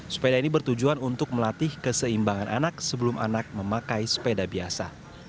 sepeda ini bertujuan untuk melatih keseimbangan anak sebelum anak memakai sepeda biasa